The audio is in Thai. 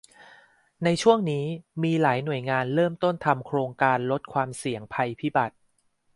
ในช่วงนี้มีหลายหน่วยงานเริ่มต้นทำโครงการลดความเสี่ยงภัยพิบัติ